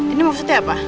ini maksudnya apa